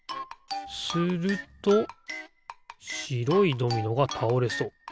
するとしろいドミノがたおれそう。